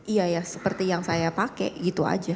iya iya seperti yang saya pakai gitu saja